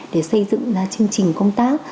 để xây dựng ra chương trình công tác